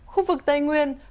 khu vực tây nguyên